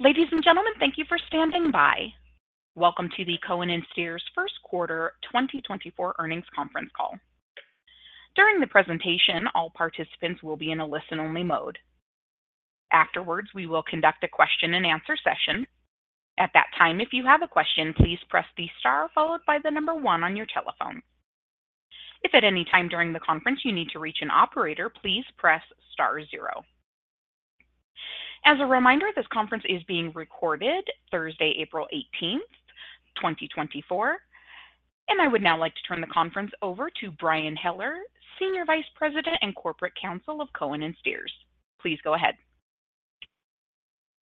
Ladies and gentlemen, thank you for standing by. Welcome to the Cohen & Steers Q1 2024 Earnings Conference Call. During the presentation, all participants will be in a listen-only mode. Afterwards, we will conduct a question-and-answer session. At that time, if you have a question, please press the star followed by the number 1 on your telephone. If at any time during the conference you need to reach an operator, please press star 0. As a reminder, this conference is being recorded Thursday, April 18, 2024, and I would now like to turn the conference over to Brian Heller, Senior Vice President and Corporate Counsel of Cohen & Steers. Please go ahead.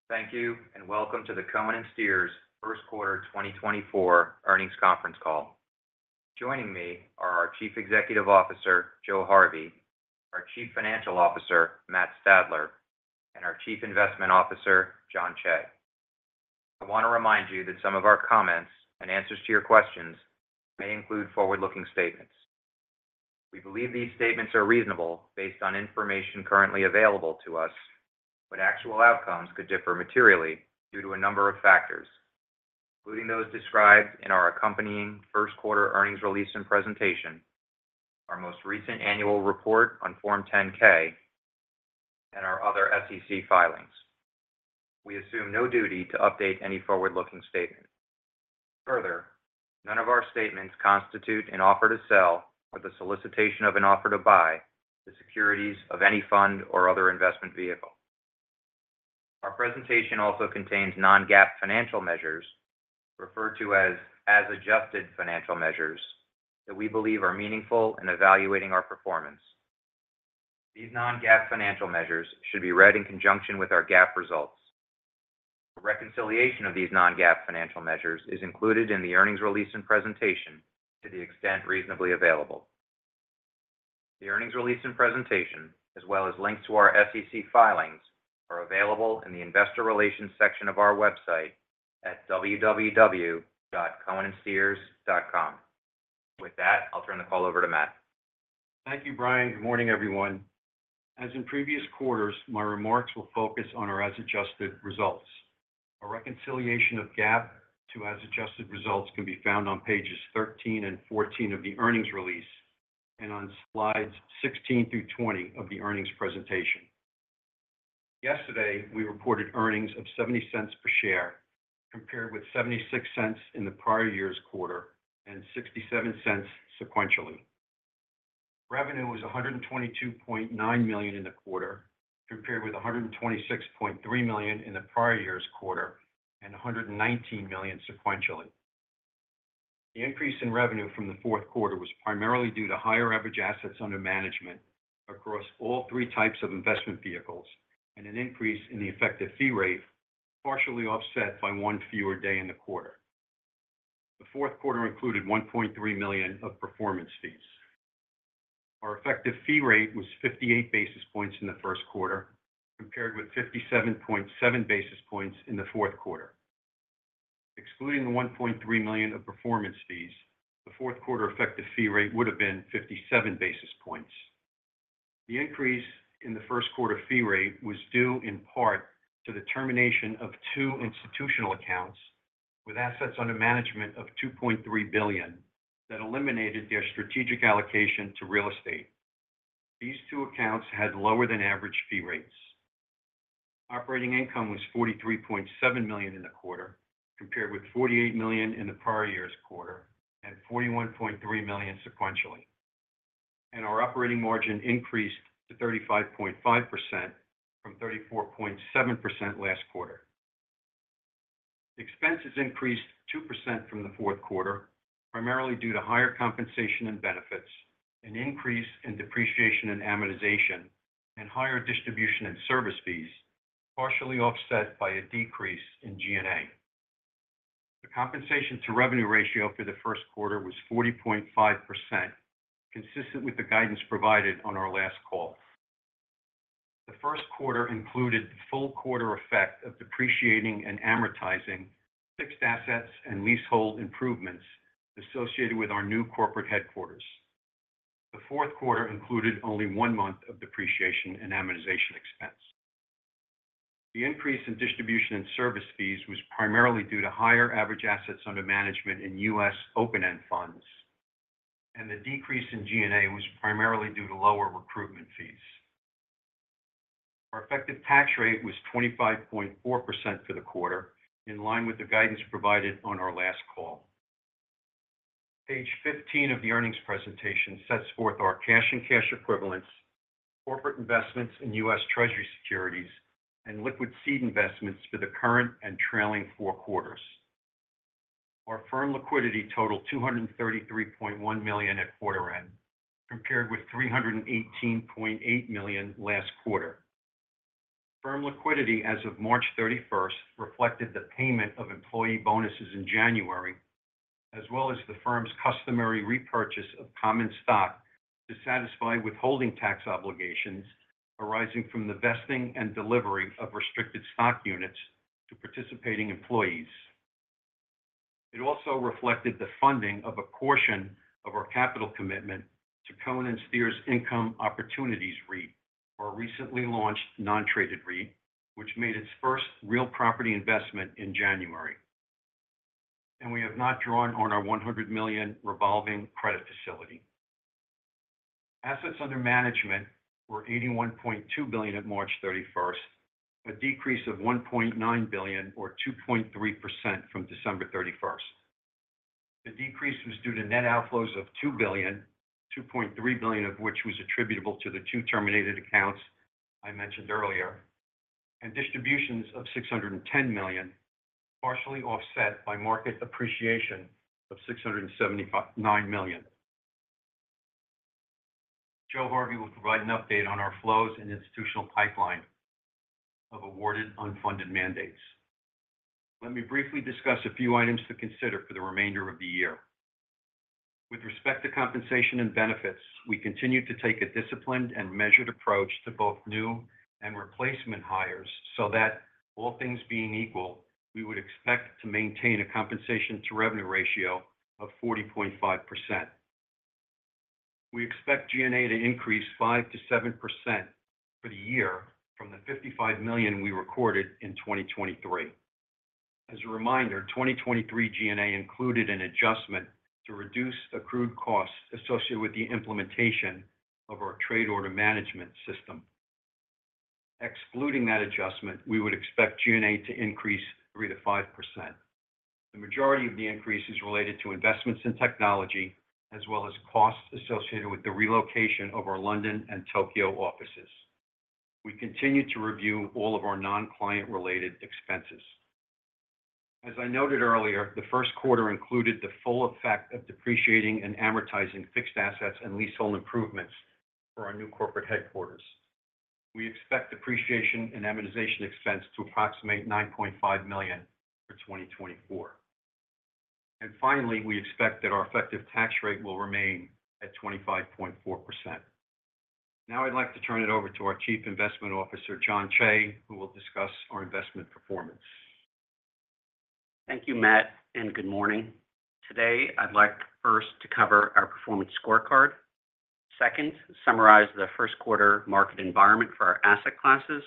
Thank you, and welcome to the Cohen & Steers Q1 2024 Earnings Conference Call. Joining me are our Chief Executive Officer, Joe Harvey, our Chief Financial Officer, Matt Stadler, and our Chief Investment Officer, Jon Cheigh. I want to remind you that some of our comments and answers to your questions may include forward-looking statements. We believe these statements are reasonable based on information currently available to us, but actual outcomes could differ materially due to a number of factors, including those described in our accompanying Q1 Earnings Release and Presentation, our most recent annual report on Form 10-K, and our other SEC filings. We assume no duty to update any forward-looking statement. Further, none of our statements constitute an offer to sell or the solicitation of an offer to buy the securities of any fund or other investment vehicle. Our presentation also contains non-GAAP financial measures, referred to as as-adjusted financial measures, that we believe are meaningful in evaluating our performance. These non-GAAP financial measures should be read in conjunction with our GAAP results. A reconciliation of these non-GAAP financial measures is included in the earnings release and presentation to the extent reasonably available. The earnings release and presentation, as well as links to our SEC filings, are available in the Investor Relations section of our website at www.cohenandsteers.com. With that, I'll turn the call over to Matt. Thank you, Brian. Good morning, everyone. As in previous quarters, my remarks will focus on our as-adjusted results. A reconciliation of GAAP to as-adjusted results can be found on pages 13 and 14 of the earnings release and on slides 16 through 20 of the earnings presentation. Yesterday, we reported earnings of $0.70 per share compared with $0.76 in the prior year's quarter and $0.67 sequentially. Revenue was $122.9 million in the quarter compared with $126.3 million in the prior year's quarter and $119 million sequentially. The increase in revenue from the Q4 was primarily due to higher average assets under management across all three types of investment vehicles and an increase in the effective fee rate, partially offset by one fewer day in the quarter. The Q4 included $1.3 million of performance fees. Our effective fee rate was 58 basis points in the Q1 compared with 57.7 basis points in the Q4. Excluding the $1.3 million of performance fees, the Q4 effective fee rate would have been 57 basis points. The increase in the Q1 fee rate was due in part to the termination of two institutional accounts with assets under management of $2.3 billion that eliminated their strategic allocation to real estate. These two accounts had lower-than-average fee rates. Operating income was $43.7 million in the quarter compared with $48 million in the prior year's quarter and $41.3 million sequentially, and our operating margin increased to 35.5% from 34.7% last quarter. Expenses increased 2% from the Q4, primarily due to higher compensation and benefits, an increase in depreciation and amortization, and higher distribution and service fees, partially offset by a decrease in G&A. The compensation-to-revenue ratio for the Q1 was 40.5%, consistent with the guidance provided on our last call. The Q1 included the full quarter effect of depreciating and amortizing fixed assets and leasehold improvements associated with our new corporate headquarters. The Q4 included only one month of depreciation and amortization expense. The increase in distribution and service fees was primarily due to higher average assets under management in U.S. open-end funds, and the decrease in G&A was primarily due to lower recruitment fees. Our effective tax rate was 25.4% for the quarter, in line with the guidance provided on our last call. Page 15 of the earnings presentation sets forth our cash and cash equivalents, corporate investments in U.S. Treasury Securities, and liquid seed investments for the current and trailing Q4. Our firm liquidity totaled $233.1 million at quarter end compared with $318.8 million last quarter. Firm liquidity as of March 31 reflected the payment of employee bonuses in January, as well as the firm's customary repurchase of common stock to satisfy withholding tax obligations arising from the vesting and delivery of restricted stock units to participating employees. It also reflected the funding of a portion of our capital commitment to Cohen & Steers Income Opportunities REIT, our recently launched non-traded REIT, which made its first real property investment in January. We have not drawn on our $100 million revolving credit facility. Assets under management were $81.2 billion at March 31, a decrease of $1.9 billion or 2.3% from December 31. The decrease was due to net outflows of $2 billion, $2.3 billion of which was attributable to the two terminated accounts I mentioned earlier, and distributions of $610 million, partially offset by market appreciation of $679 million. Joe Harvey will provide an update on our flows and institutional pipeline of awarded unfunded mandates. Let me briefly discuss a few items to consider for the remainder of the year. With respect to compensation and benefits, we continue to take a disciplined and measured approach to both new and replacement hires so that, all things being equal, we would expect to maintain a compensation-to-revenue ratio of 40.5%. We expect G&A to increase 5%-7% for the year from the $55 million we recorded in 2023. As a reminder, 2023 G&A included an adjustment to reduce accrued costs associated with the implementation of our trade order management system. Excluding that adjustment, we would expect G&A to increase 3%-5%. The majority of the increase is related to investments in technology, as well as costs associated with the relocation of our London and Tokyo offices. We continue to review all of our non-client-related expenses. As I noted earlier, the Q1 included the full effect of depreciating and amortizing fixed assets and leasehold improvements for our new corporate headquarters. We expect depreciation and amortization expense to approximate $9.5 million for 2024. And finally, we expect that our effective tax rate will remain at 25.4%. Now I'd like to turn it over to our Chief Investment Officer, Jon Cheigh, who will discuss our investment performance. Thank you, Matt, and good morning. Today, I'd like first to cover our performance scorecard, second, summarize the Q1 market environment for our asset classes,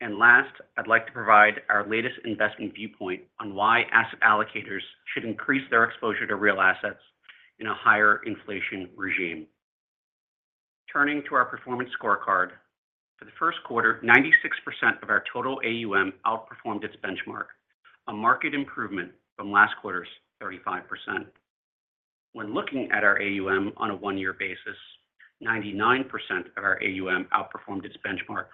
and last, I'd like to provide our latest investment viewpoint on why asset allocators should increase their exposure to real assets in a higher inflation regime. Turning to our performance scorecard, for the Q1, 96% of our total AUM outperformed its benchmark, a market improvement from last quarter's 35%. When looking at our AUM on a one-year basis, 99% of our AUM outperformed its benchmark,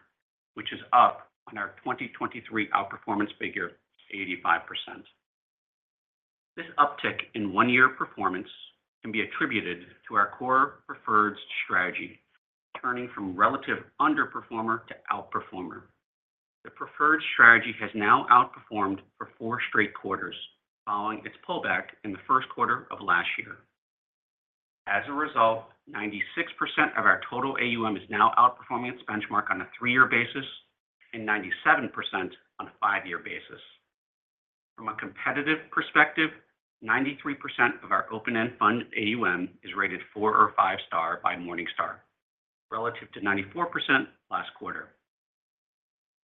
which is up on our 2023 outperformance figure of 85%. This uptick in one-year performance can be attributed to our core preferred strategy, turning from relative underperformer to outperformer. The preferred strategy has now outperformed for four straight quarters, following its pullback in the Q1 of last year. As a result, 96% of our total AUM is now outperforming its benchmark on a three-year basis and 97% on a five-year basis. From a competitive perspective, 93% of our open-end fund AUM is rated 4 or 5 star by Morningstar, relative to 94% last quarter.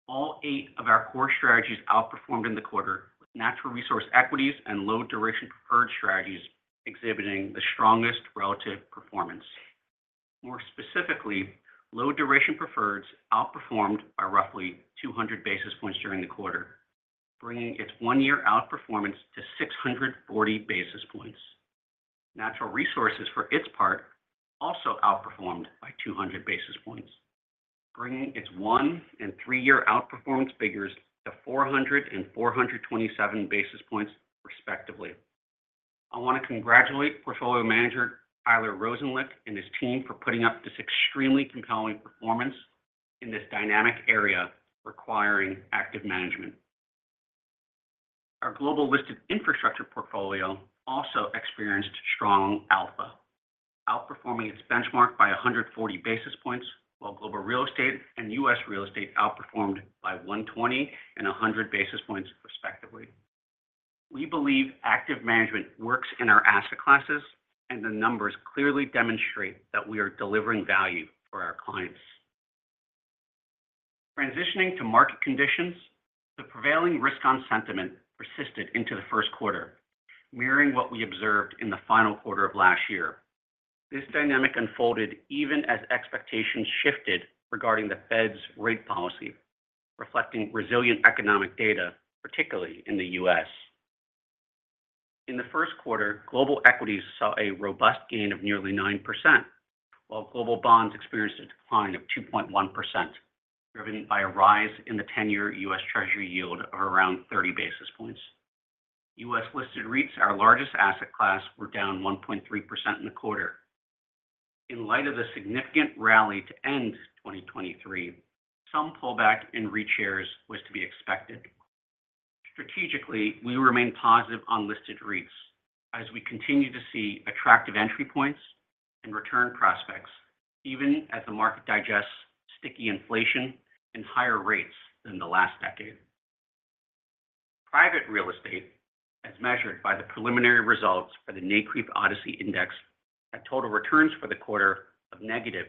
All eight of our core strategies outperformed in the quarter, with natural resource equities and low-duration preferred strategies exhibiting the strongest relative performance. More specifically, low-duration preferreds outperformed by roughly 200 basis points during the quarter, bringing its one-year outperformance to 640 basis points. Natural resources, for its part, also outperformed by 200 basis points, bringing its one- and three-year outperformance figures to 400 and 427 basis points, respectively. I want to congratulate portfolio manager Tyler Rosenlicht and his team for putting up this extremely compelling performance in this dynamic area requiring active management. Our global listed infrastructure portfolio also experienced strong alpha, outperforming its benchmark by 140 basis points, while global real estate and U.S. real estate outperformed by 120 and 100 basis points, respectively. We believe active management works in our asset classes, and the numbers clearly demonstrate that we are delivering value for our clients. Transitioning to market conditions, the prevailing risk-on sentiment persisted into the Q1, mirroring what we observed in the final quarter of last year. This dynamic unfolded even as expectations shifted regarding the Fed's rate policy, reflecting resilient economic data, particularly in the U.S. In the Q1, global equities saw a robust gain of nearly 9%, while global bonds experienced a decline of 2.1%, driven by a rise in the 10-year U.S. Treasury yield of around 30 basis points. U.S. listed REITs, our largest asset class, were down 1.3% in the quarter. In light of the significant rally to end 2023, some pullback in REIT shares was to be expected. Strategically, we remain positive on listed REITs as we continue to see attractive entry points and return prospects, even as the market digests sticky inflation and higher rates than the last decade. Private real estate, as measured by the preliminary results for the NCREIF ODCE Index, had total returns for the quarter of -2.4%.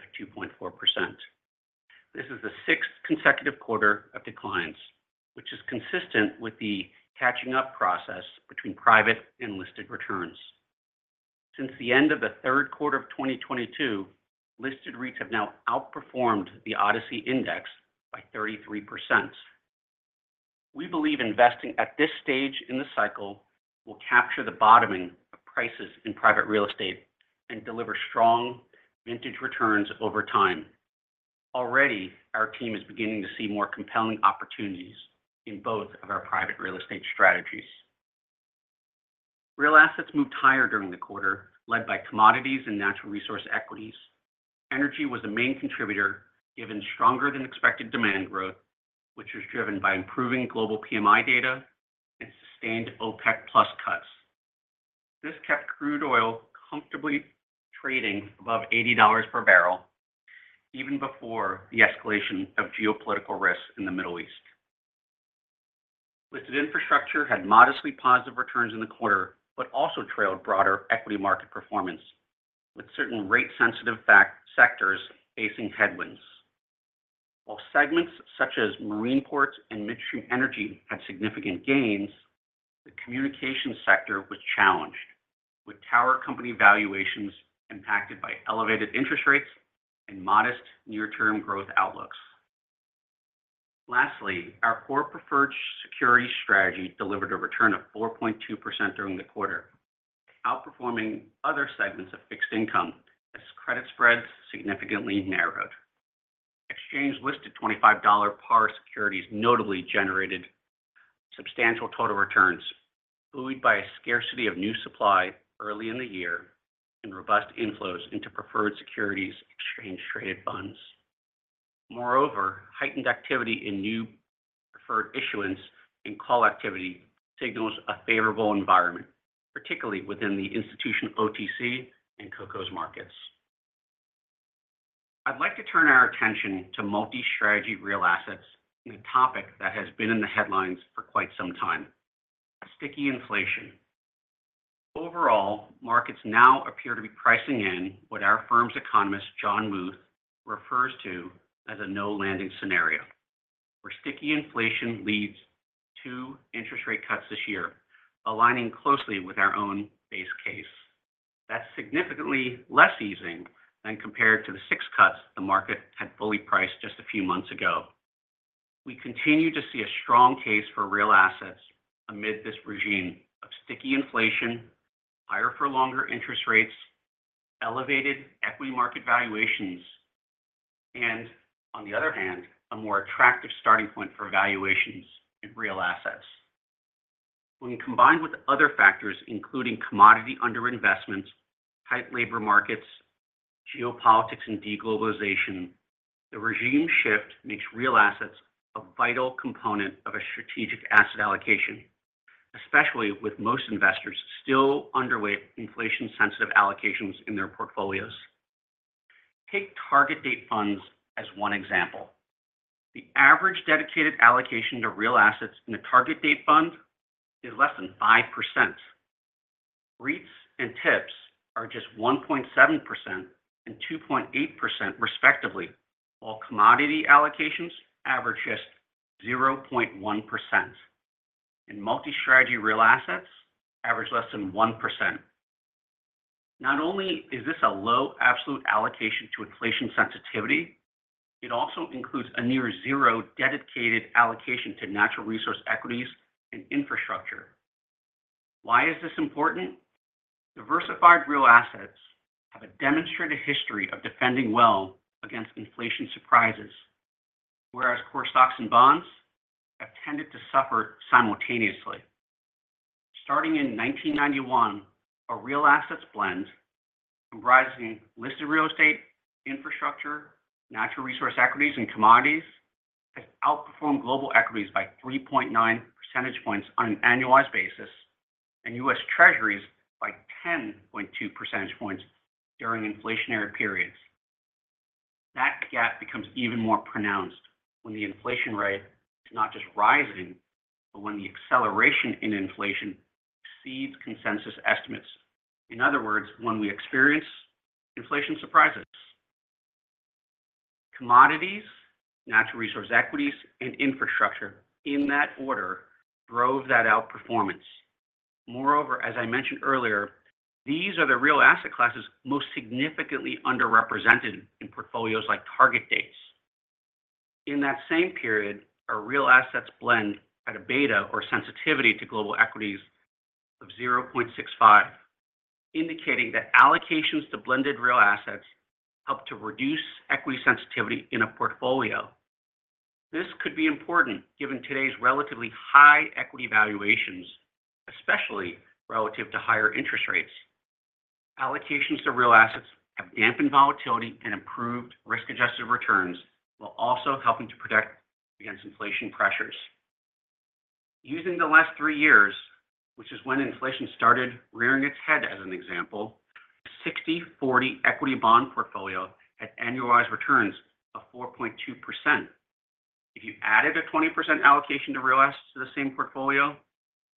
This is the sixth consecutive quarter of declines, which is consistent with the catching-up process between private and listed returns. Since the end of the third quarter of 2022, listed REITs have now outperformed the ODCE Index by 33%. We believe investing at this stage in the cycle will capture the bottoming of prices in private real estate and deliver strong vintage returns over time. Already, our team is beginning to see more compelling opportunities in both of our private real estate strategies. Real assets moved higher during the quarter, led by commodities and natural resource equities. Energy was the main contributor, given stronger-than-expected demand growth, which was driven by improving global PMI data and sustained OPEC+ cuts. This kept crude oil comfortably trading above $80 per barrel, even before the escalation of geopolitical risks in the Middle East. Listed infrastructure had modestly positive returns in the quarter but also trailed broader equity market performance, with certain rate-sensitive sectors facing headwinds. While segments such as marine ports and midstream energy had significant gains, the communications sector was challenged, with tower company valuations impacted by elevated interest rates and modest near-term growth outlooks. Lastly, our core preferred securities strategy delivered a return of 4.2% during the quarter, outperforming other segments of fixed income as credit spreads significantly narrowed. Exchange-listed $25 par securities notably generated substantial total returns, buoyed by a scarcity of new supply early in the year and robust inflows into preferred securities exchange-traded funds. Moreover, heightened activity in new preferred issuance and call activity signals a favorable environment, particularly within the institutional OTC and CoCos markets. I'd like to turn our attention to multi-strategy real assets and a topic that has been in the headlines for quite some time: sticky inflation. Overall, markets now appear to be pricing in what our firm's economist, John Muth, refers to as a no-landing scenario, where sticky inflation leads to interest rate cuts this year, aligning closely with our own base case. That's significantly less easing than compared to the 6 cuts the market had fully priced just a few months ago. We continue to see a strong case for real assets amid this regime of sticky inflation, higher-for-longer interest rates, elevated equity market valuations, and, on the other hand, a more attractive starting point for valuations in real assets. When combined with other factors, including commodity underinvestment, tight labor markets, geopolitics, and deglobalization, the regime shift makes real assets a vital component of a strategic asset allocation, especially with most investors still underweight inflation-sensitive allocations in their portfolios. Take target date funds as one example. The average dedicated allocation to real assets in a target date fund is less than 5%. REITs and TIPS are just 1.7% and 2.8%, respectively, while commodity allocations average just 0.1%. Multi-strategy real assets average less than 1%. Not only is this a low absolute allocation to inflation sensitivity, it also includes a near-zero dedicated allocation to natural resource equities and infrastructure. Why is this important? Diversified real assets have a demonstrated history of defending well against inflation surprises, whereas core stocks and bonds have tended to suffer simultaneously. Starting in 1991, a real assets blend comprising listed real estate, infrastructure, natural resource equities, and commodities has outperformed global equities by 3.9 percentage points on an annualized basis and U.S. Treasuries by 10.2 percentage points during inflationary periods. That gap becomes even more pronounced when the inflation rate is not just rising, but when the acceleration in inflation exceeds consensus estimates. In other words, when we experience inflation surprises. Commodities, natural resource equities, and infrastructure, in that order, drove that outperformance. Moreover, as I mentioned earlier, these are the real asset classes most significantly underrepresented in portfolios like target dates. In that same period, a real assets blend had a beta or sensitivity to global equities of 0.65, indicating that allocations to blended real assets helped to reduce equity sensitivity in a portfolio. This could be important given today's relatively high equity valuations, especially relative to higher interest rates. Allocations to real assets have dampened volatility and improved risk-adjusted returns while also helping to protect against inflation pressures. Using the last three years, which is when inflation started rearing its head as an example, a 60/40 equity-bond portfolio had annualized returns of 4.2%. If you added a 20% allocation to real assets to the same portfolio,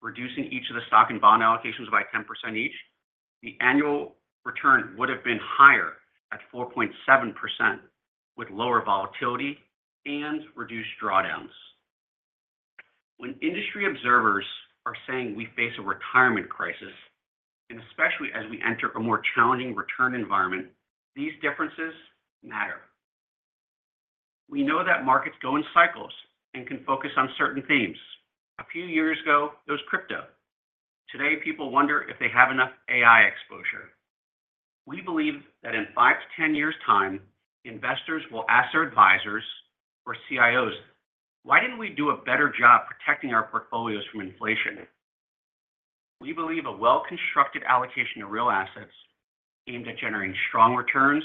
reducing each of the stock and bond allocations by 10% each, the annual return would have been higher at 4.7%, with lower volatility and reduced drawdowns. When industry observers are saying we face a retirement crisis, and especially as we enter a more challenging return environment, these differences matter. We know that markets go in cycles and can focus on certain themes. A few years ago, it was crypto. Today, people wonder if they have enough AI exposure. We believe that in five -ten years' time, investors will ask their advisors or CIOs, "Why didn't we do a better job protecting our portfolios from inflation?" We believe a well-constructed allocation to real assets, aimed at generating strong returns,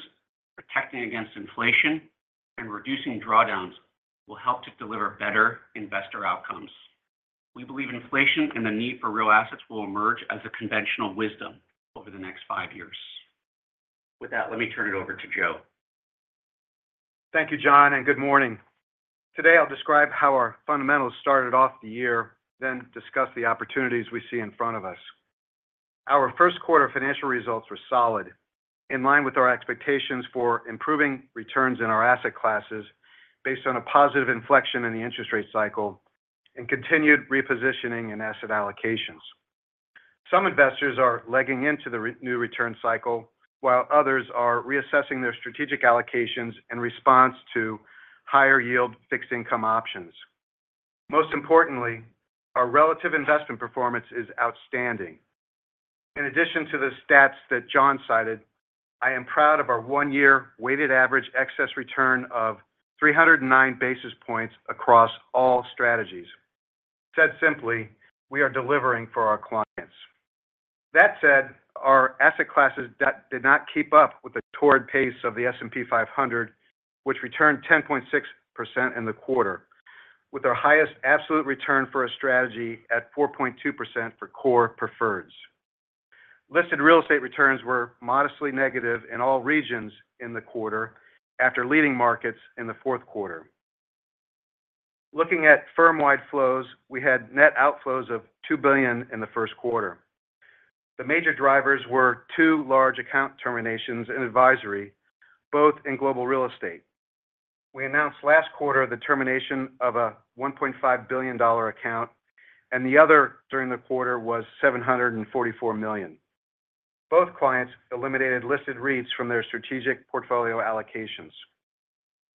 protecting against inflation, and reducing drawdowns, will help to deliver better investor outcomes. We believe inflation and the need for real assets will emerge as a conventional wisdom over the next five years. With that, let me turn it over to Joe. Thank you, John, and good morning. Today, I'll describe how our fundamentals started off the year, then discuss the opportunities we see in front of us. Our Q1 financial results were solid, in line with our expectations for improving returns in our asset classes based on a positive inflection in the interest rate cycle and continued repositioning in asset allocations. Some investors are legging into the new return cycle, while others are reassessing their strategic allocations in response to higher-yield fixed-income options. Most importantly, our relative investment performance is outstanding. In addition to the stats that John cited, I am proud of our one-year weighted average excess return of 309 basis points across all strategies. Said simply, we are delivering for our clients. That said, our asset classes did not keep up with the torrid pace of the S&P 500, which returned 10.6% in the quarter, with our highest absolute return for a strategy at 4.2% for core preferreds. Listed real estate returns were modestly negative in all regions in the quarter after leading markets in the Q4. Looking at firm-wide flows, we had net outflows of $2 billion in the Q1. The major drivers were two large account terminations in advisory, both in global real estate. We announced last quarter the termination of a $1.5 billion account, and the other during the quarter was $744 million. Both clients eliminated listed REITs from their strategic portfolio allocations.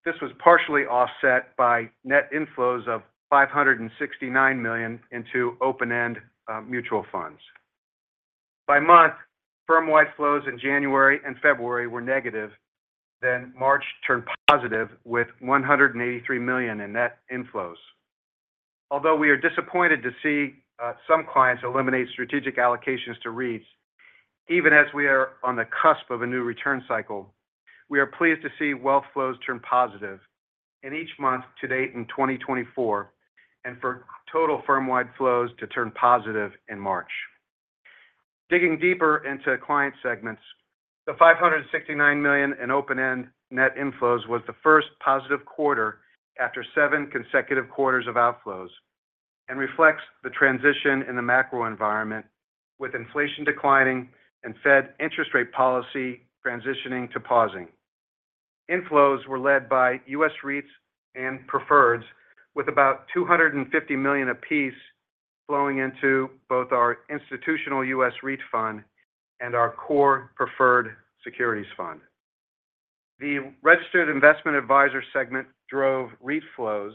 This was partially offset by net inflows of $569 million into open-end mutual funds. By month, firm-wide flows in January and February were negative, then March turned positive with $183 million in net inflows. Although we are disappointed to see some clients eliminate strategic allocations to REITs, even as we are on the cusp of a new return cycle, we are pleased to see wealth flows turn positive in each month to date in 2024 and for total firm-wide flows to turn positive in March. Digging deeper into client segments, the $569 million in open-end net inflows was the positive Q1 after consecutive seven quarters of outflows and reflects the transition in the macro environment, with inflation declining and Fed interest rate policy transitioning to pausing. Inflows were led by U.S. REITs and preferreds, with about $250 million apiece flowing into both our institutional U.S. REIT fund and our core preferred securities fund. The registered investment advisor segment drove REIT flows,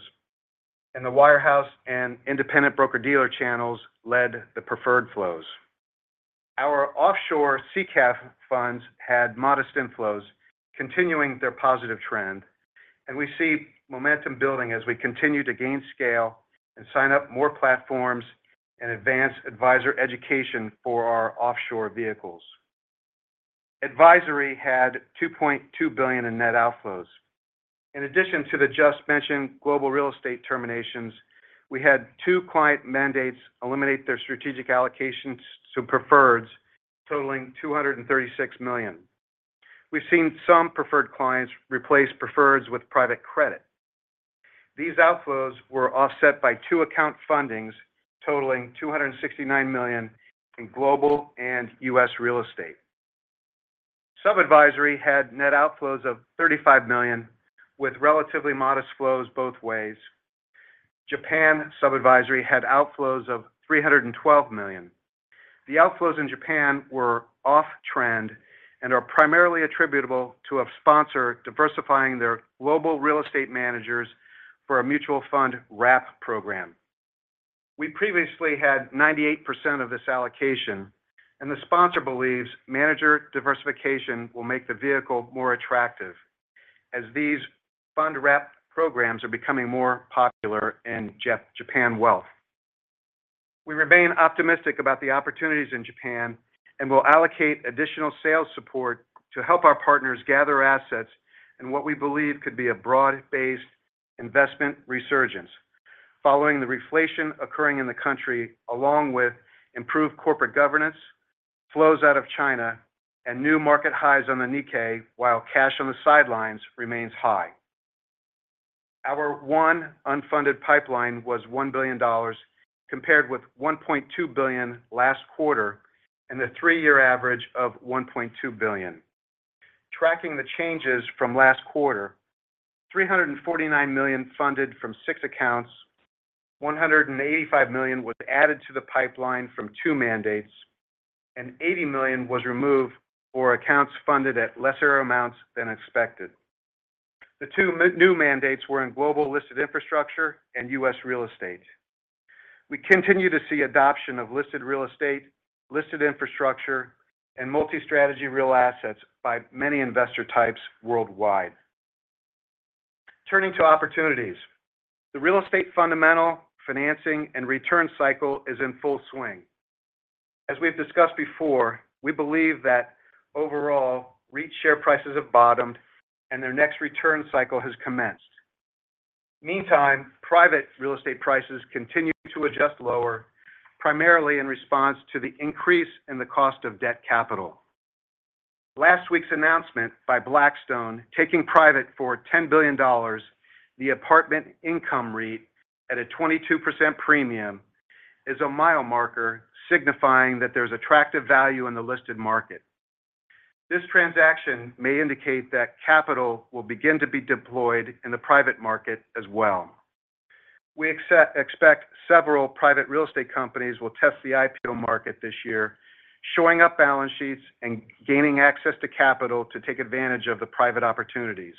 and the wirehouse and independent broker-dealer channels led the preferred flows. Our offshore SICAV funds had modest inflows, continuing their positive trend, and we see momentum building as we continue to gain scale and sign up more platforms and advance advisor education for our offshore vehicles. Advisory had $2.2 billion in net outflows. In addition to the just-mentioned global real estate terminations, we had two client mandates eliminate their strategic allocations to preferred, totaling $236 million. We've seen some preferred clients replace preferred with private credit. These outflows were offset by two account fundings, totaling $269 million in global and U.S. real estate. Sub-advisory had net outflows of $35 million, with relatively modest flows both ways. Japan sub-advisory had outflows of $312 million. The outflows in Japan were off-trend and are primarily attributable to a sponsor diversifying their global real estate managers for a mutual fund wrap program. We previously had 98% of this allocation, and the sponsor believes manager diversification will make the vehicle more attractive as these fund wrap programs are becoming more popular in Japan Wealth. We remain optimistic about the opportunities in Japan and will allocate additional sales support to help our partners gather assets in what we believe could be a broad-based investment resurgence, following the reflation occurring in the country along with improved corporate governance, flows out of China, and new market highs on the Nikkei while cash on the sidelines remains high. Our one unfunded pipeline was $1 billion compared with $1.2 billion last quarter and the three-year average of $1.2 billion. Tracking the changes from last quarter, $349 million funded from six accounts, $185 million was added to the pipeline from two mandates, and $80 million was removed for accounts funded at lesser amounts than expected. The two new mandates were in global listed infrastructure and U.S. real estate. We continue to see adoption of listed real estate, listed infrastructure, and multi-strategy real assets by many investor types worldwide. Turning to opportunities, the real estate fundamental financing and return cycle is in full swing. As we've discussed before, we believe that overall, REIT share prices have bottomed, and their next return cycle has commenced. Meantime, private real estate prices continue to adjust lower, primarily in response to the increase in the cost of debt capital. Last week's announcement by Blackstone taking private for $10 billion, the Apartment Income REIT, at a 22% premium is a mile marker signifying that there's attractive value in the listed market. This transaction may indicate that capital will begin to be deployed in the private market as well. We expect several private real estate companies will test the IPO market this year, showing up balance sheets and gaining access to capital to take advantage of the private opportunities.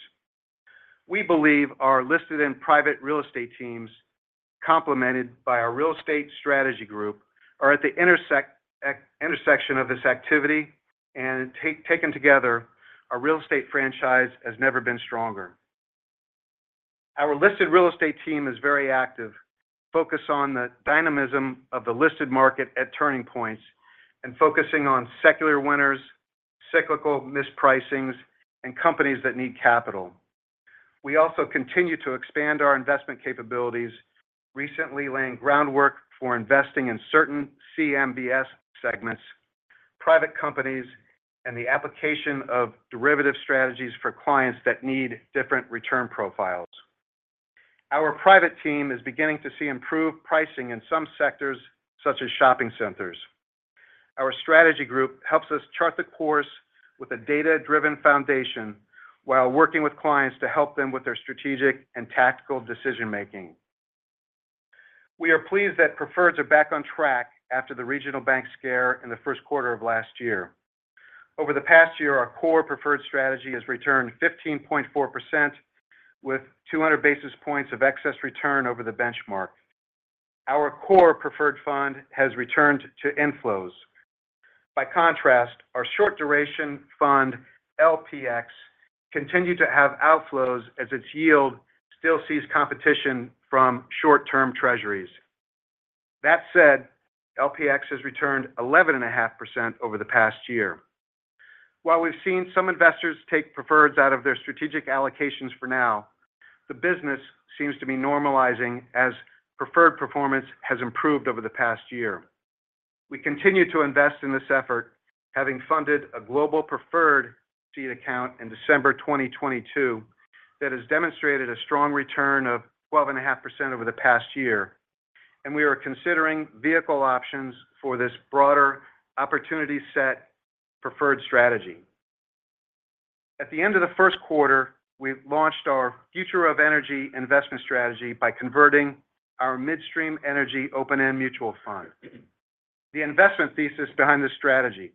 We believe our listed and private real estate teams, complemented by our real estate strategy group, are at the intersection of this activity, and taken together, our real estate franchise has never been stronger. Our listed real estate team is very active, focused on the dynamism of the listed market at turning points, and focusing on secular winners, cyclical mispricings, and companies that need capital. We also continue to expand our investment capabilities, recently laying groundwork for investing in certain CMBS segments, private companies, and the application of derivative strategies for clients that need different return profiles. Our private team is beginning to see improved pricing in some sectors, such as shopping centers. Our strategy group helps us chart the course with a data-driven foundation while working with clients to help them with their strategic and tactical decision-making. We are pleased that preferred are back on track after the regional bank scare in the Q1 of last year. Over the past year, our core preferred strategy has returned 15.4%, with 200 basis points of excess return over the benchmark. Our core preferred fund has returned to inflows. By contrast, our short-duration fund, LPX, continued to have outflows as its yield still sees competition from short-term treasuries. That said, LPX has returned 11.5% over the past year. While we've seen some investors take preferred out of their strategic allocations for now, the business seems to be normalizing as preferred performance has improved over the past year. We continue to invest in this effort, having funded a global preferred seed account in December 2022 that has demonstrated a strong return of 12.5% over the past year, and we are considering vehicle options for this broader opportunity set preferred strategy. At the end of the Q1, we launched our future-of-energy investment strategy by converting our midstream energy open-end mutual fund. The investment thesis behind this strategy: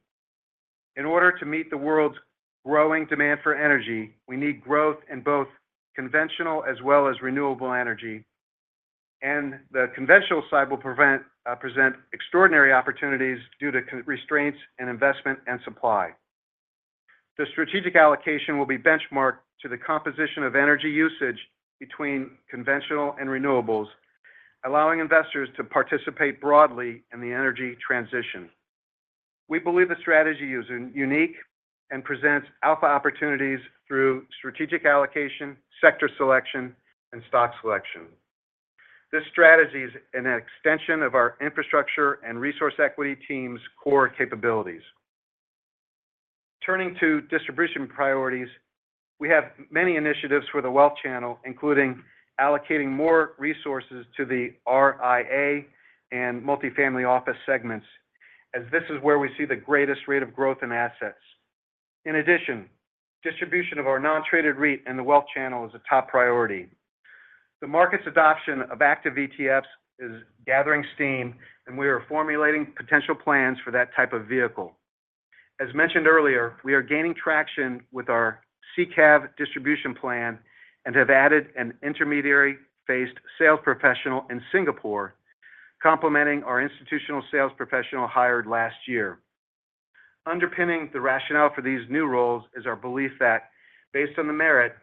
in order to meet the world's growing demand for energy, we need growth in both conventional as well as renewable energy, and the conventional side will present extraordinary opportunities due to restraints in investment and supply. The strategic allocation will be benchmarked to the composition of energy usage between conventional and renewables, allowing investors to participate broadly in the energy transition. We believe the strategy is unique and presents alpha opportunities through strategic allocation, sector selection, and stock selection. This strategy is an extension of our infrastructure and resource equity team's core capabilities. Turning to distribution priorities, we have many initiatives for the Wealth Channel, including allocating more resources to the RIA and multifamily office segments, as this is where we see the greatest rate of growth in assets. In addition, distribution of our non-traded REIT in the Wealth Channel is a top priority. The market's adoption of active ETFs is gathering steam, and we are formulating potential plans for that type of vehicle. As mentioned earlier, we are gaining traction with our SICAV distribution plan and have added an intermediary-facing sales professional in Singapore, complementing our institutional sales professional hired last year. Underpinning the rationale for these new roles is our belief that, based on the merit,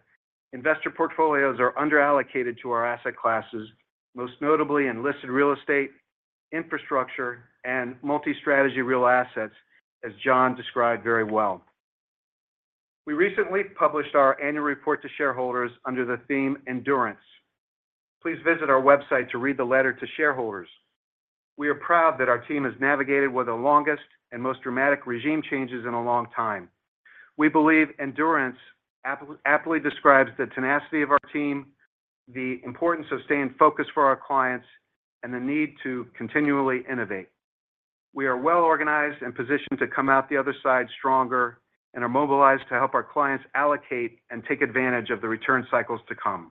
investor portfolios are underallocated to our asset classes, most notably in listed real estate, infrastructure, and multi-strategy real assets, as John described very well. We recently published our annual report to shareholders under the theme "Endurance." Please visit our website to read the letter to shareholders. We are proud that our team has navigated one of the longest and most dramatic regime changes in a long time. We believe "Endurance" aptly describes the tenacity of our team, the importance of staying focused for our clients, and the need to continually innovate. We are well organized and positioned to come out the other side stronger and are mobilized to help our clients allocate and take advantage of the return cycles to come.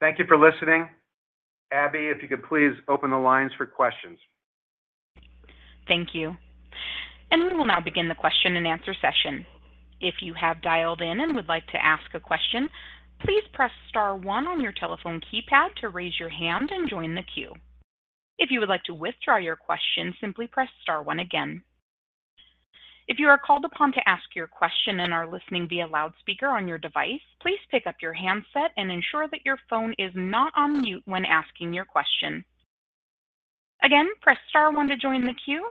Thank you for listening. Abby, if you could please open the lines for questions. Thank you. We will now begin the question-and-answer session. If you have dialed in and would like to ask a question, please press star 1 on your telephone keypad to raise your hand and join the queue. If you would like to withdraw your question, simply press star 1 again. If you are called upon to ask your question and are listening via loudspeaker on your device, please pick up your handset and ensure that your phone is not on mute when asking your question. Again, press star 1 to join the queue.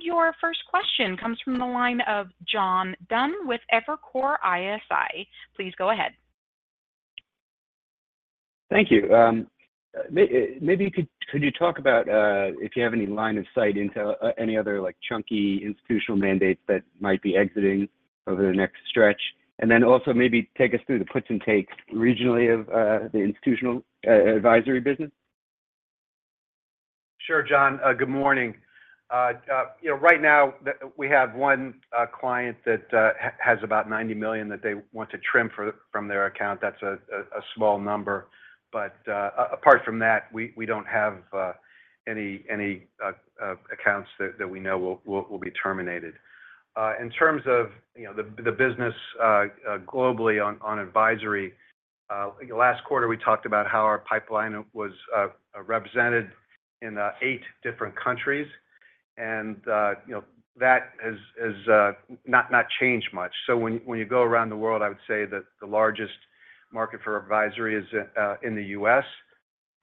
Your first question comes from the line of John Dunn with Evercore ISI. Please go ahead. Thank you. Maybe could you talk about if you have any line of sight into any other chunky institutional mandates that might be exiting over the next stretch, and then also maybe take us through the puts and takes regionally of the institutional advisory business? Sure, John. Good morning. Right now, we have one client that has about $90 million that they want to trim from their account. That's a small number. But apart from that, we don't have any accounts that we know will be terminated. In terms of the business globally on advisory, last quarter we talked about how our pipeline was represented in 8 different countries, and that has not changed much. So when you go around the world, I would say that the largest market for advisory is in the U.S.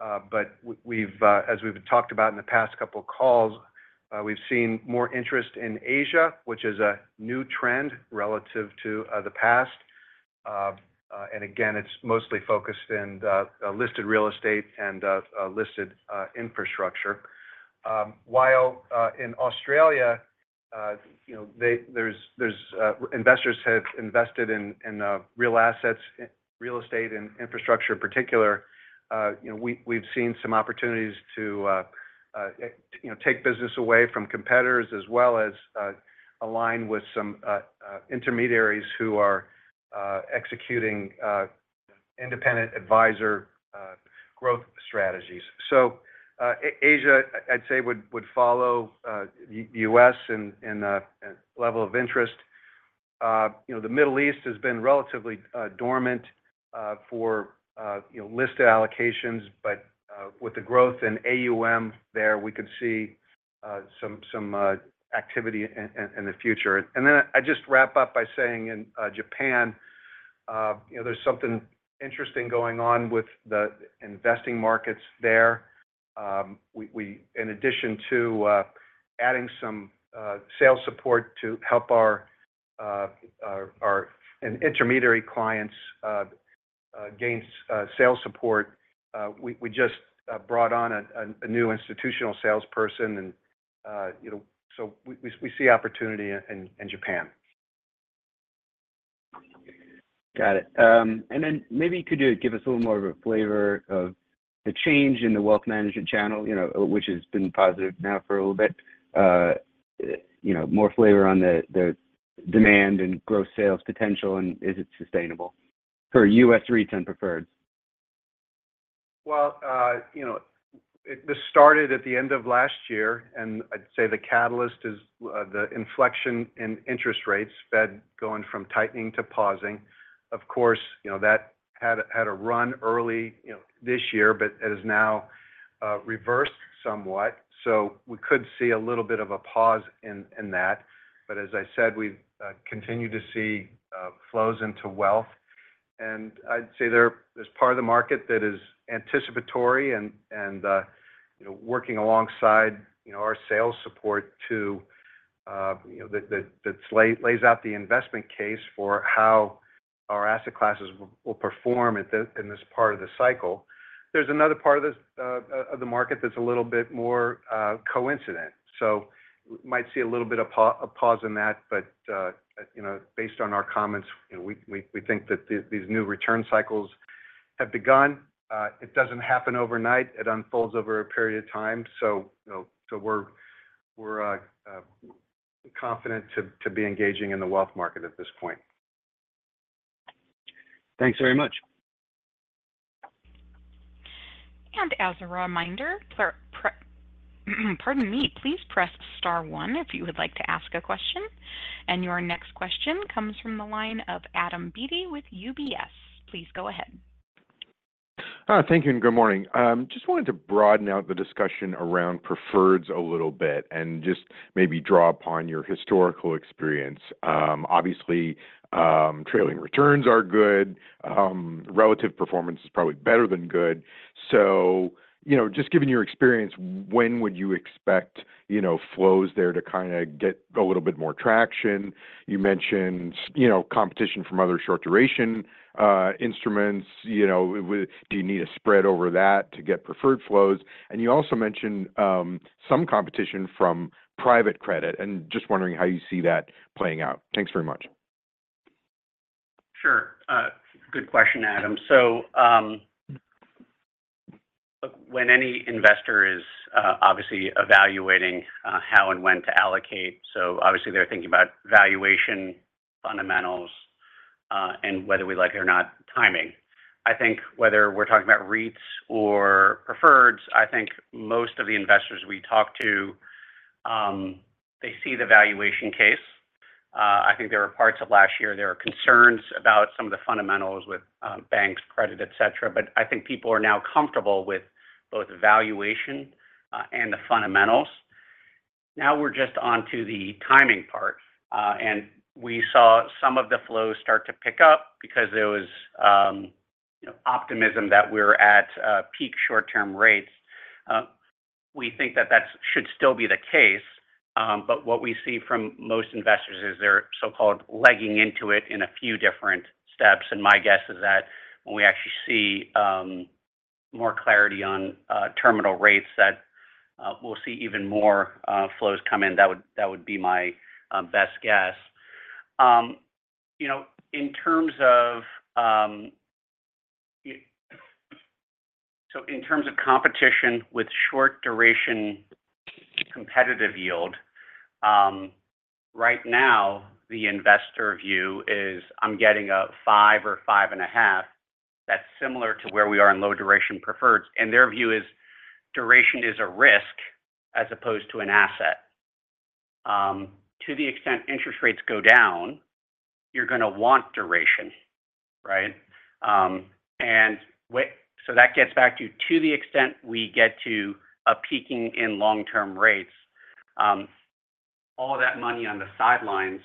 But as we've talked about in the past couple of calls, we've seen more interest in Asia, which is a new trend relative to the past. And again, it's mostly focused in listed real estate and listed infrastructure. While in Australia, investors have invested in real estate and infrastructure in particular, we've seen some opportunities to take business away from competitors as well as align with some intermediaries who are executing independent advisor growth strategies. So Asia, I'd say, would follow the U.S. in level of interest. The Middle East has been relatively dormant for listed allocations, but with the growth in AUM there, we could see some activity in the future. And then I'd just wrap up by saying in Japan, there's something interesting going on with the investing markets there. In addition to adding some sales support to help our intermediary clients gain sales support, we just brought on a new institutional salesperson. And so we see opportunity in Japan. Got it. And then maybe you could give us a little more of a flavor of the change in the Wealth Management Channel, which has been positive now for a little bit, more flavor on the demand and gross sales potential, and is it sustainable for U.S. REITs and preferreds? Well, this started at the end of last year, and I'd say the catalyst is the inflection in interest rates, Fed going from tightening to pausing. Of course, that had a run early this year, but it has now reversed somewhat. So we could see a little bit of a pause in that. But as I said, we continue to see flows into wealth. And I'd say there's a part of the market that is anticipatory and working alongside our sales support too that lays out the investment case for how our asset classes will perform in this part of the cycle. There's another part of the market that's a little bit more coincident. So we might see a little bit of a pause in that. But based on our comments, we think that these new return cycles have begun. It doesn't happen overnight. It unfolds over a period of time. We're confident to be engaging in the wealth market at this point. Thanks very much. And as a reminder, pardon me, please press star 1 if you would like to ask a question. And your next question comes from the line of Adam Beatty with UBS. Please go ahead. All right. Thank you and good morning. Just wanted to broaden out the discussion around preferreds a little bit and just maybe draw upon your historical experience. Obviously, trailing returns are good. Relative performance is probably better than good. So just given your experience, when would you expect flows there to kind of get a little bit more traction? You mentioned competition from other short-duration instruments. Do you need a spread over that to get preferred flows? And you also mentioned some competition from private credit. And just wondering how you see that playing out. Thanks very much. Sure. Good question, Adam. So when any investor is obviously evaluating how and when to allocate, so obviously, they're thinking about valuation, fundamentals, and whether we like it or not, timing. I think whether we're talking about REITs or preferreds, I think most of the investors we talk to, they see the valuation case. I think there were parts of last year there were concerns about some of the fundamentals with banks, credit, etc. But I think people are now comfortable with both valuation and the fundamentals. Now we're just onto the timing part. And we saw some of the flows start to pick up because there was optimism that we're at peak short-term rates. We think that that should still be the case. But what we see from most investors is they're so-called legging into it in a few different steps. And my guess is that when we actually see more clarity on terminal rates, that we'll see even more flows come in. That would be my best guess. In terms of competition with short-duration competitive yield, right now, the investor view is, "I'm getting a 5 or 5.5." That's similar to where we are in low-duration preferred. And their view is, "Duration is a risk as opposed to an asset." To the extent interest rates go down, you're going to want duration, right? And so that gets back to, to the extent we get to a peaking in long-term rates, all of that money on the sidelines,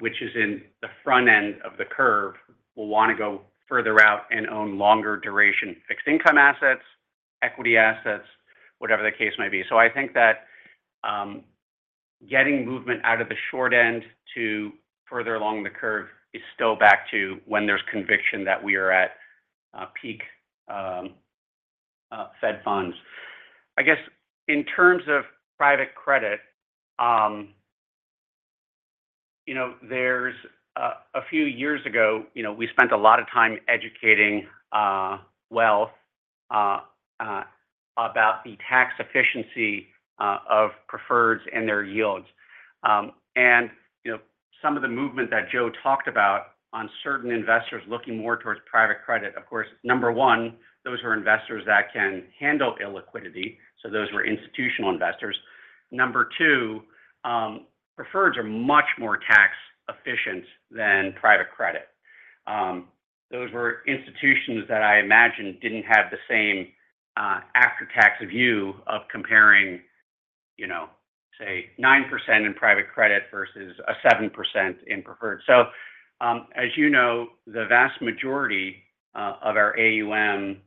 which is in the front end of the curve, will want to go further out and own longer-duration fixed-income assets, equity assets, whatever the case might be. So I think that getting movement out of the short end to further along the curve is still back to when there's conviction that we are at peak Fed funds. I guess in terms of private credit, there's a few years ago, we spent a lot of time educating wealth about the tax efficiency of preferred and their yields. And some of the movement that Joe talked about on certain investors looking more towards private credit, of course, number one, those were investors that can handle illiquidity. So those were institutional investors. Number two, preferred are much more tax-efficient than private credit. Those were institutions that I imagine didn't have the same after-tax view of comparing, say, 9% in private credit versus a 7% in preferred. So as you know, the vast majority of our AUM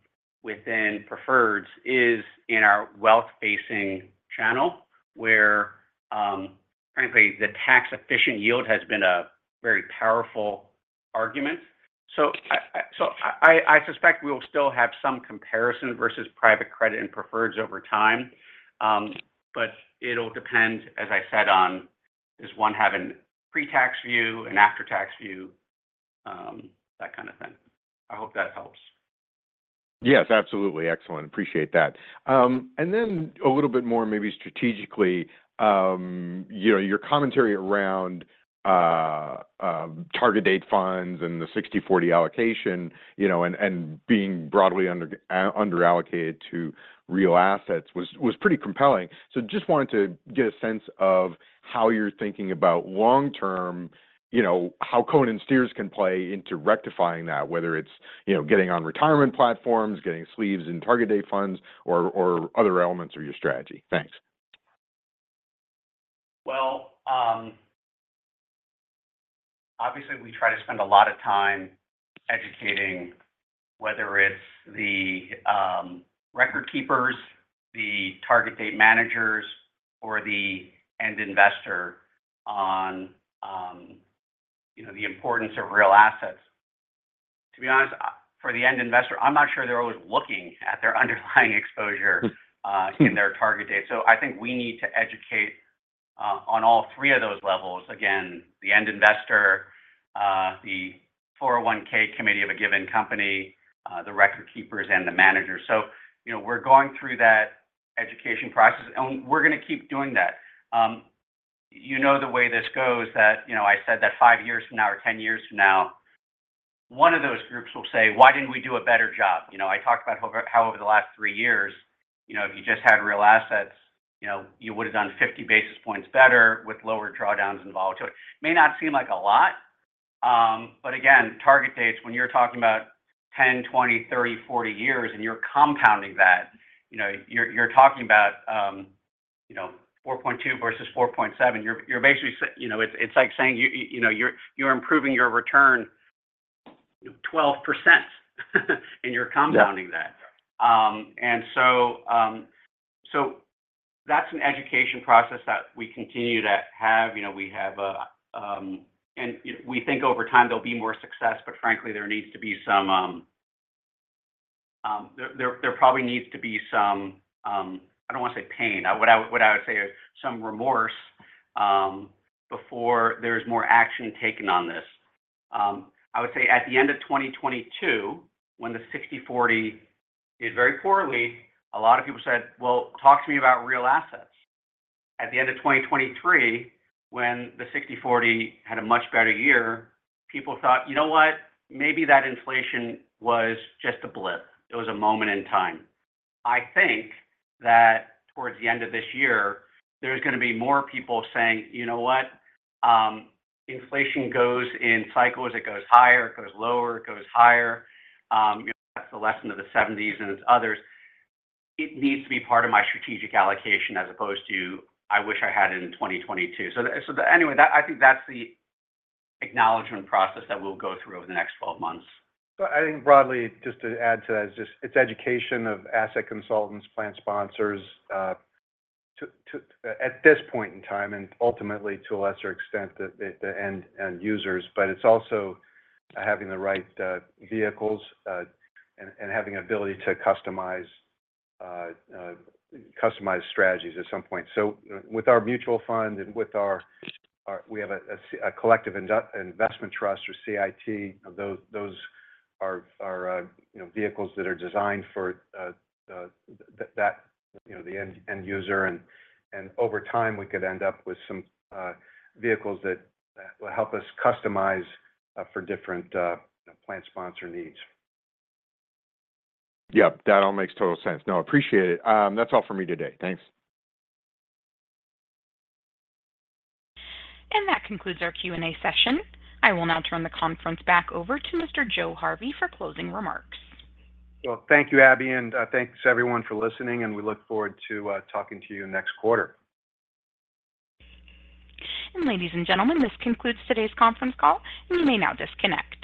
within preferred is in our wealth-facing channel, where, frankly, the tax-efficient yield has been a very powerful argument. So I suspect we will still have some comparison versus private credit and preferred over time. But it'll depend, as I said, on, does one have a pre-tax view, an after-tax view, that kind of thing. I hope that helps. Yes, absolutely. Excellent. Appreciate that. Then a little bit more maybe strategically, your commentary around target-date funds and the 60/40 allocation and being broadly under allocated to real assets was pretty compelling. So just wanted to get a sense of how you're thinking about long-term, how Cohen & Steers can play into rectifying that, whether it's getting on retirement platforms, getting sleeves in target-date funds, or other elements of your strategy. Thanks. Well, obviously, we try to spend a lot of time educating whether it's the record keepers, the target-date managers, or the end investor on the importance of real assets. To be honest, for the end investor, I'm not sure they're always looking at their underlying exposure in their target date. So I think we need to educate on all three of those levels. Again, the end investor, the 401(k) committee of a given company, the record keepers, and the managers. So we're going through that education process, and we're going to keep doing that. You know the way this goes that I said that five years from now or 10 years from now, one of those groups will say, "Why didn't we do a better job?" I talked about how over the last three years, if you just had real assets, you would have done 50 basis points better with lower drawdowns and volatility. May not seem like a lot. But again, target dates, when you're talking about 10, 20, 30, 40 years, and you're compounding that, you're talking about 4.2 versus 4.7. You're basically it's like saying you're improving your return 12%, and you're compounding that. And so that's an education process that we continue to have. We have a and we think over time, there'll be more success. But frankly, there needs to be some there probably needs to be some I don't want to say pain. What I would say is some remorse before there's more action taken on this. I would say at the end of 2022, when the 60/40 did very poorly, a lot of people said, "Well, talk to me about real assets." At the end of 2023, when the 60/40 had a much better year, people thought, "You know what? Maybe that inflation was just a blip. It was a moment in time." I think that towards the end of this year, there's going to be more people saying, "You know what? Inflation goes in cycles. It goes higher. It goes lower. It goes higher." That's the lesson of the '70s and others. It needs to be part of my strategic allocation as opposed to, "I wish I had it in 2022." So anyway, I think that's the acknowledgment process that we'll go through over the next 12 months. So I think broadly, just to add to that, it's education of asset consultants, plan sponsors at this point in time, and ultimately, to a lesser extent, the end users. But it's also having the right vehicles and having an ability to customize strategies at some point. So with our mutual fund and with our collective investment trust or CIT. Those are vehicles that are designed for the end user. And over time, we could end up with some vehicles that will help us customize for different plan sponsor needs. Yep. That all makes total sense. No, appreciate it. That's all for me today. Thanks. That concludes our Q&A session. I will now turn the conference back over to Mr. Joe Harvey for closing remarks. Well, thank you, Abby. Thanks, everyone, for listening. We look forward to talking to you next quarter. Ladies and gentlemen, this concludes today's conference call, and you may now disconnect.